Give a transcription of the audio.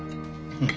うん？